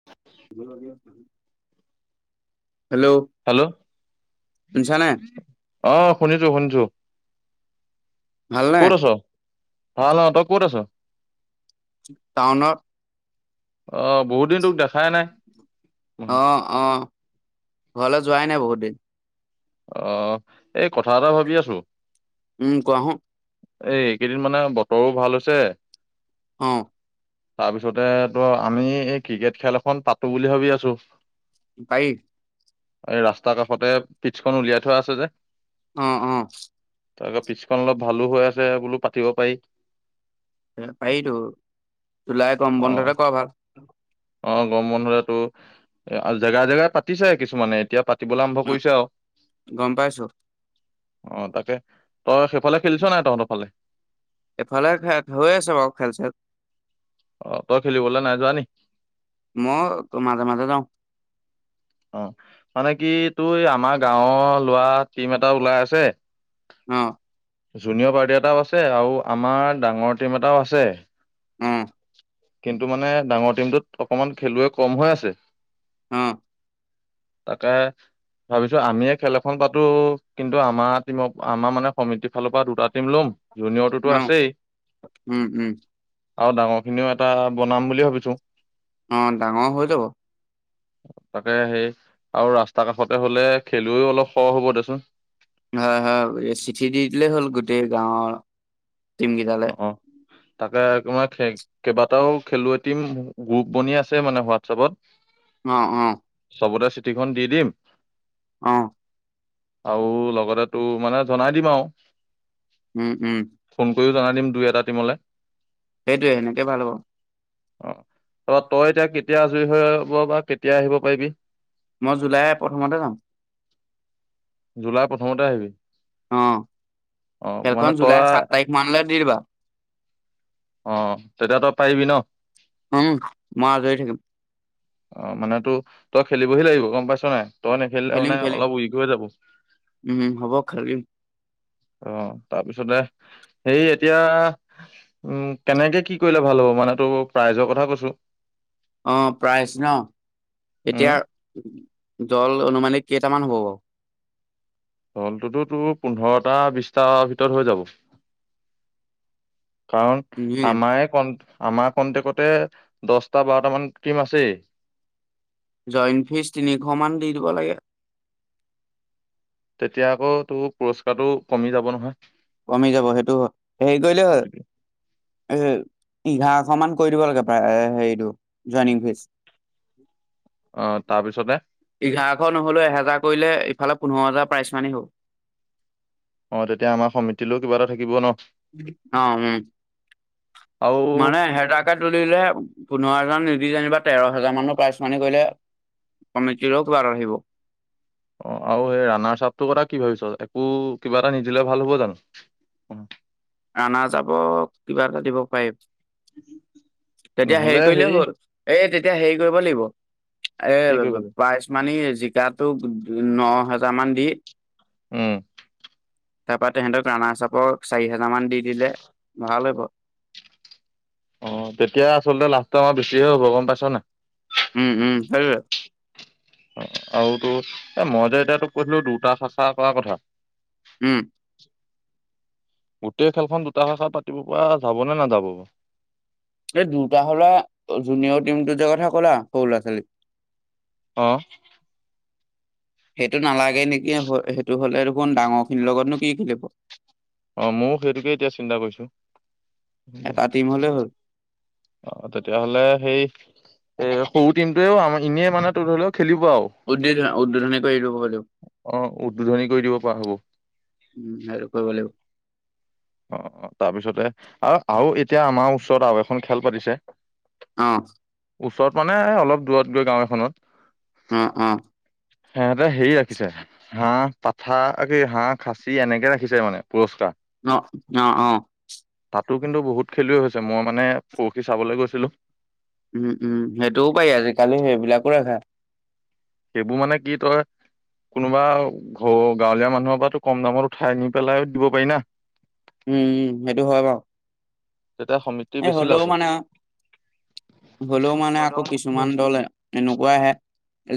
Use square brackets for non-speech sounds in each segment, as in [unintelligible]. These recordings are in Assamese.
[inaudible] হেল্ল' হেল্ল', শুনিছা নে অ' শুনিছো, শুনিছো। ভালনে ক'ত আছ, ভাল অ', তই ক'ত আছ? টাউনত। অ' বহুত দিন তোক দেখাই নাই। অ অ', ঘৰলৈ যোৱাই নাই বহুত দিন। অ', এই কথা এটা ভাবি আছো। উম, কোৱাচোন। এই, এইকেইদিন মানে বতৰো ভাল হৈছে অ'। তাৰপিছতে তোৰ আমি এই ক্ৰিকেট খেল এখন পাতো বুলি ভাবি আছো। পাৰি। এই ৰাস্তাৰ কাষতে পিটছখন উলিয়াই থোৱা আছে যে। অ', অ'। তাকে পিছখন অলপ ভালো হৈ আছে, বোলো পাতিব পাৰি। এ পাৰিতো, জুলাই গৰম অ বন্ধতে কৰা ভাল। অ', গৰম বন্ধুৰেতো, জেগা জেগাই পাতিছে কিছুমানে, এতিয়া পাতিবলৈ আৰম্ভ কৰিছে আৰু। গম পাইছো। অ', তাকে, তই সেইফালে খেলিছ নাই তহঁতৰ ফালে? এফালে হৈ আছে বাৰু খেল চেল। অ' তই খেলিবলে নাই যোৱা নি? মই মাজে-মাজে যাওঁ। অহ। মানে কি তই আমাৰ গাঁৱৰ ল'ৰা টিম এটা ওলাই আছে। অঁহ'। জুনিয়ৰ পাৰ্টি এটাও আছে আৰু আমাৰ ডাঙৰ টিম এটাও আছে। উমঁ। কিন্তু মানে ডাঙৰ টিমটোত অকণমান খেলুৱৈ কম হৈ আছে। অ তাকে, ভাবিছো আমিয়ে খেল এখন পাতো কিন্তু আমাৰ টিমত আমাৰ মানে সমিতিৰ ফালৰ পৰা দুটা টিম ল'ম জুনিয়ৰটোতো অ আছেই। উম উম আৰু ডাঙৰ খিনিও এটা বনাম বুলি ভাবিছো। অঁ', ডাঙৰ হৈ যাব। তাকে, সেই আৰু ৰাস্তা কাষতে হ'লে খেলুৱৈ অলপ সহ হ'ব দে চোন। হয়-হয়, চিঠি দি দিলেই হ'ল গোটেই গাঁৱৰ টিম কেইটাত। অহ'। তাকে তোমাৰ খে- কেইবাটাও খেলুৱৈ টিম গ্ৰুপ বনি আছে মানে হোৱাটছেপত। অঁ', -অঁ',। চবতে চিঠিখন দি দিম। অঁহ। আৰু লগতে তো মানে জনাই দিম আৰু। উমঁ, হুম। তইও জনাই দিবি দুই এটা টিমলে। সেইটোৱে, এনেকে ভাল হ'ব। অ' তই এতিয়া কেতিয়া আজৰি হৈ বা কেতিয়া আহিব পাৰিবি? মই জুলাই প্ৰথমতে যাম। জুলাই প্ৰথমতে আহিবি। অ অ' মানে তই মানলে দি দিবা। অঁ', তেতিয়া তই পাৰিবি ন? উমঁ, মই আজৰি থাকিম। অ', মানে তো তই খেলিবহি লাগিব গম পাইছ নাই তই নেখেলি লৈ মানে অলপ উৰিক হৈ যাব। উম-হুম হ'ব খেলিম। অ', তাৰপিছতে সেই এতিয়া- উমঁ, কেনেকে কি কৰিলে ভাল হ'ব মানে তোৰ প্ৰাইজৰ কথা কৈছো? অঁ', -প্ৰাইজ ন' উম এতিয়া দল অনুমানিত কেইটামান হ'ব বাৰু? দলটোতো তোৰ পোন্ধৰটা, বিশটা ভিতৰত হৈ যাব। কাৰণ উম আমাৰ কন আমাৰ কনটেক্টতে দহটা-বাৰট মান টিম আছেই। জইণ্ট ফিজ তিনিশ মান দি দিব লাগে। তেতিয়া আকৌ তোৰ পুৰস্কাৰটো কমি যাব নহয়। কমি যাব সেইটো হয়। হেৰি কৰিলেই হ'ল- গতিকে এ' এঘাৰশ মান কৰি দিব লাগে প্ৰায় হেৰিটো জইনিং ফিজ। [unintelligible] অ', তাৰপিছতে? এঘাৰশ নহ'লেও এহেজাৰ কৰিলে, ইফালে পোন্ধৰ হাজাৰ প্ৰাইছ মানি হ'ব। অঁ', তেতিয়া আমাৰ সমিতিৰো কিবা এটা থাকিব ন'। অঁ', -উমঁ। আৰু মানে এহেজাৰকে তুলিলে পোন্ধৰ হাজাৰ নিদি যেনিবা তেৰ হোজাৰ মানৰ প্ৰাইচ মানি কৰিলে কমিতিৰো কিবা ৰহিব। অ আৰু সেই ৰানাৰ চাপটোৰ কথা কি ভাবিছ একো কিবা এটা নিদিলে ভাল হ'ব জানো। ৰানা যাব কিবা এটা দিব পাৰিম তেতিয়া হেৰি কৰিলেই হ'ল। এ তেতিয়া হেৰি কৰিব লাগিব কি কৰিব এ লাগিব পাই। মানি হে জিকাটোক ন হেজাৰ মান দি। উম। তাৰপৰা তেহেঁতক ৰানাৰ চাপৰ চাৰি হেজাৰ মান দি দিলে ভাল হ'ব। অঁ তেতিয়া আচলতে লাভটো আমাৰ বেছিহে হ'ব গম পাইছ নাই। উম উম সেইটোৱে। আৰু তো এ মই যে এতিয়া তোক কৈছিলোঁ দুটা চাচা কৰা কথা। উম। গোটেই খেলখন দুটা শাখাত পাতিব পৰা যাব নে নাযাব। এই দুটা হলা জুনিয়ৰ টিম দুটা যে কথা কলা সৰু ল'ৰা ছোৱালী। অ। উম। সেইটো নালাগে নেকি সেইটো হ'লে দেখোন ডাঙৰ খিনিৰ লগতনো কি খেলিব। অ ময়ো সেইটোকে এতিয়া চিন্তা কৰিছোঁ। এটা টিম হ'লে হ'ল অ তেতিয়াহ'লে সেই। এ সৰু টিমটোৱে আমাৰ এনে মানে ত ধৰি লও খেলিব আৰু। উদ্বোধন উদ্বোধনকৈ এইটোবও। অ উদ্বোধনী কৰি দিব পৰা হ'ব উম স আৰু কৰিব লাগিব। অ অ তাৰপিছতে আৰু আৰু এতিয়া আমাৰ ওচৰত আৰু এখন খেল পাতিছে। অহ। ওচৰত মানে অলপ দূৰত গৈ গাঁও এখনত। উম উম। হেহঁতে হেৰি ৰাখিছে। হাঁহ পাঠা একে হাঁহ খাচী এনেকে ৰাখিছে মানে পুৰস্কাৰ। অ অ অ। তাতো কিন্তু বহুত খেলুৱৈ হৈছে মই মানে পৰহি চাবলৈ গৈছিলোঁ। উম উম সেইটোও পায় আজিকালি সেইবিলাকো ৰেখা। সেইবোৰ মানে কি তই। কোনোবা ঘৰ গাঁৱলীয়া মানুহৰ পৰাতো কম দামত উঠাই নি পেলাই দিব পাৰি না। উম উম সেইটো হয় বাৰু। এটা সমী। এই হ'লেও মানে হ'লেও মানে আকৌ কিছুমান দলে। এনেকুৱা আহে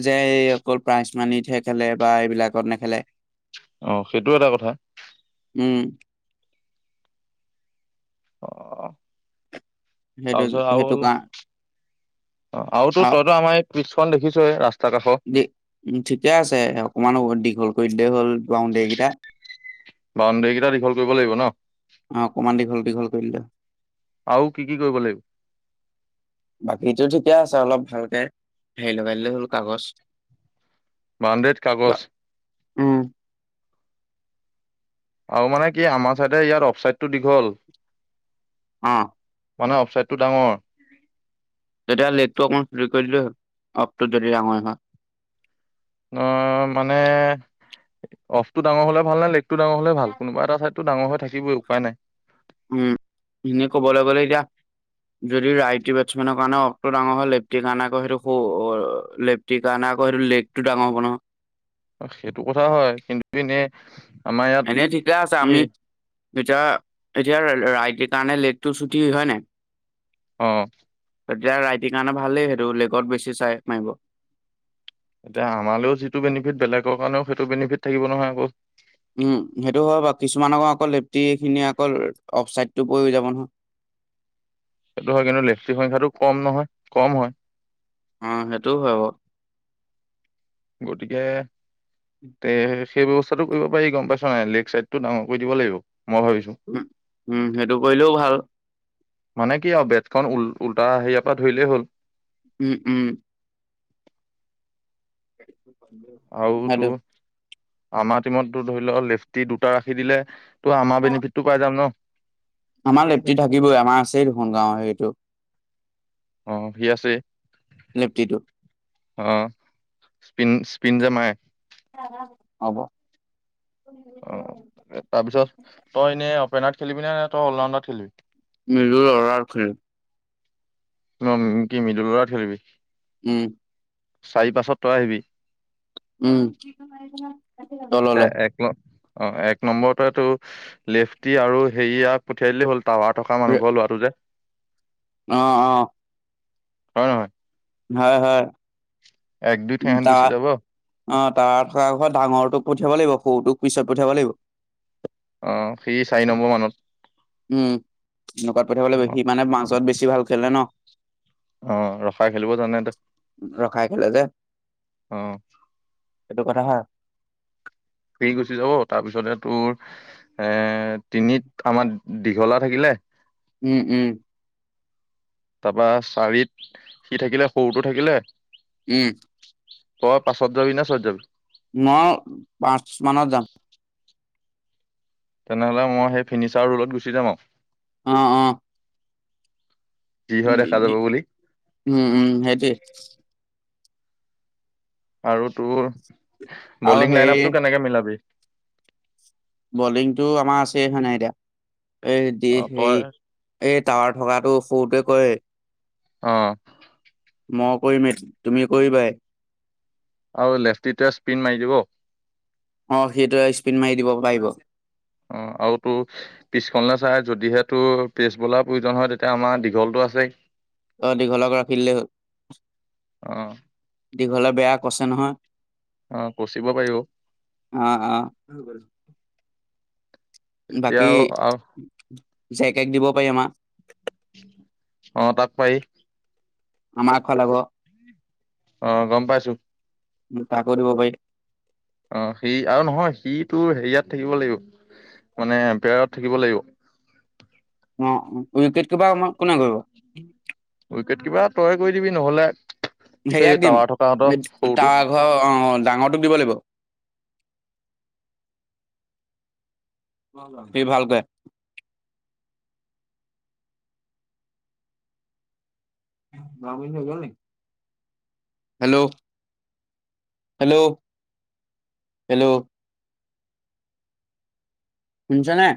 যে এই অকল প্ৰাইজ মানিতহে খেলে বা এইবিলাকত নেখেলে। অ সেইটো এটা কথা। উম। অ অ অ। সেইটো তাৰপিছত সেইটো কাৰ আৰু অ আৰুতো তইতো আমাৰ। পিছখন দেখিছ‌ই ৰাস্তা কাষত। দে উ ঠিকে আছে অকমান দীঘল কৰি দে হ'ল বাউণ্ডেৰী কেইটা। বাউণ্ডেৰী কেইটা দীঘল কৰিব লাগিব ন। অ অকমান দীঘল দীঘল কৰিলে। আৰু কি কি কৰিব লাগিব বাকীতো ঠিকে আছে অলপ ভালকে হেৰি লগাই দিলে হ'ল কাগজ। বাউণ্ডেৰীত বা কাগজ উম। আৰু মানে কি, আমাৰ চাইডে ইয়াত অফ চাইডটো দীঘল। অ। মানে অফ চাইদটো ডাঙৰ। [unintelligible] অ, মানে অফ টো ডাঙৰ হ'লে ভাল নে, লেগ টো ডাঙৰ হ'লে ভাল, কোনোবা এটা চাইড টো ডাঙৰ হৈ থাকিবই উপায় নাই। উম, এনেই ক'বলৈ গ'লে এতিয়া যদি ৰাইটি বেটছমেনৰ কাৰণে অফটো ডাঙৰ হয়, লেফ্টিৰ কাৰণে আকৌ সেইটো সৰু লেফ্ট টিৰ কাৰনে আকৌ সেইটো লেক টো ডাঙৰ হ'ব নহয়। সেইটো কথা হয়, কিন্তু এনে আমাৰ ইয়াত এনে ঠিকে আছে, কি আমি এতিয়া, এতিয়া, ৰাইটিৰ কাৰণে লেফটো চুটি হয়নে নাই! অঁ। তেতিয়া ৰাইটিৰ কাৰণে ভালেই সেইটো লেগত বেছি চাইড মাৰিব। এতিয়া আমালৈও যিটো বেনিফিট বেলেগৰ কাৰণেও সেইটো বেনিফিট থাকিব নহয় আকৌ। উম, সেইটো হয় বাৰু! কিছুমানৰ আকৌ লেফটি খিনি আকৌ অফ চাইডটো পৰি যাব নহয়। সেইটো হয়, কিন্তু লেফটিৰ সংখ্যাটো কম নহয়, কম হয়। উম, সেইটোও হয় বাৰু! গতিকে তে, সেই ব্যৱস্থাটো কৰিব পাৰি, গম পাইছো নাই! লেক চাইডটো ডাঙৰ কৰি দিব লাগিব, মই ভাবিছো। উম, উম, সেইটো কৰিলেও ভাল। মানে কি আৰু, বেটখন উল-উলটা হেৰিয়াৰ পৰা ধৰিলেই হ'ল। উম, উম। [inaudible] আৰু সেইটো তোৰ, আমাৰ টিমতটো ধৰি ল' লেফটি দুটা ৰাখি দিলে ত', আমাৰ বিনিফিত টো পাই যাম ন! আমাৰ লেফটি থাকিবই, আমাৰ আছেই দেখোন গাঁৱৰে সেইটো। অ, সি আছেই। লেপটিটো। অ, স্পিন-স্পিন যে মাৰে। হ'ব। অ তাৰপিছত, তই এনে অপেনত খেলিবি নে? তই অল ৰাউণ্ডত খেলিবি? মিলুৰ অৰ্ডাৰ [unintelligible] [unintelligible] খেলিবি? উম। চাৰি-পাঁচত তই আহিবি। উম। এ, তললে এক, ন, অ, এক নম্বৰতে তোৰ লেফটি আৰু হেৰি ইয়াক পঠিয়াই দিলেই হ'ল, টাৱাৰ থকা মানুহ ঘৰৰ ল'ৰাটো যে। অ, অ। হয় নহয়! হয়, হয়। এক দুই উম, ঠেহেন গুচি তাত যাব অ, তাৰ থকা ঘৰত ডাঙৰটোক পঠিয়াব লাগিব, সৰুটোক পিছত পঠিয়াব লাগিব। অ, সি চাৰি নম্বৰ মানত। উম, হেনেকোৱাত পঠিয়াব অ লাগিব, সি মানে মাাজত বেছি ভাল খেলে ন! অ ৰখাই খেলিব জানে তো। ৰখাই খেলে যে। অ সেইটো কথা হয়। ফিৰি গুচি যাব তাৰপিছতে তোৰ, এ তিনিত আমাৰ দীঘলা থাকিলে। উম- উম। তাৰপা চাৰিত, সি থাকিলে সৰুটো থাকিলে। উম। ক পাঁচত যাবি না চয়ত যাবি? মই, পাঁচ মানত যাম। তেনেহ'লে মই সেই ফিনিচাৰ ৰোলত গুচি যাম আৰু। অ', -অ'। যি হয় দেখা দি- দি, যাব বুলি উম- উম সেইটোৱে। আৰু তোৰ, আৰু বলিং হেৰি লাইন আপটো কেনেকে মিলাবি? বলিংটো আমাৰ আছে হয় নাই এতিয়া, অ এই হে তই এই টাৱাৰ থকাটো সৰুটোৱে কৰেই। অঁহ'। মই কৰিম এ, তুমি কৰিবাই। আৰু লেফ্টিটোৱে স্পিন মাৰি দিব! অ', সেইটোৱে স্পিন মাৰি দিব পাৰিব। অ', আৰু তোৰ পিছফাল চায় যদিহে তোৰ পেছ বলাৰ প্ৰয়োজন হয় তেতিয়া আমাৰ দীঘলটো আছেই। অ', দীঘলক ৰাখি দিলেই হ'ল। অ দীঘলে বেয়া কছে নহয়। অ', কচিব পৰিব। অ', - অ',। তেতিয়া বাকী, জেকেক দিব পাৰি আমাক! অ', তাক পাৰি। আমাক খেলাব। অ', গম পাইছো। উম, তাকো দিব পাৰিব। অ', সি আৰু নহয় সিটো হেৰিয়াত থাকিব লাগিব, মানে এম্পোয়াৰত থাকিব লাগিব। অ', - অ', উইকেট কিপাৰ আমাৰ কোনে কৰিব? উইকেট কিপাৰ তই কৰি দিবি নহলে, সেই টাৱাৰ থকাহঁতৰ সৰুটো। অঁ', ডাঙৰটোক দিব লাগিব। সি ভাল কৰে। [unintelligible] নগল নি? Hello, -hello, -hello. শুনিছা নাই?